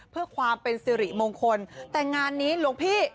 เพื่อความเป็นสิริมงคลแต่งานนี้หลวงพี่